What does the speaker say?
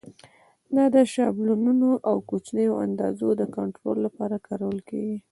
دا شابلونونه د کوچنیو اندازو د کنټرول لپاره کارول کېږي.